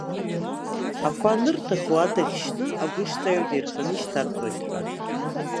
Ақәа анырҭаху адаӷь шьны, агәышҵа аҩада ирханы ишьҭарҵоит ҳәа.